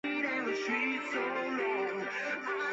院区座落在澳洲首都特区坎培拉的澳洲国立大学校园内。